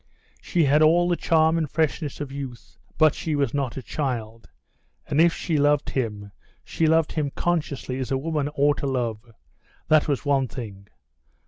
She had all the charm and freshness of youth, but she was not a child; and if she loved him, she loved him consciously as a woman ought to love; that was one thing.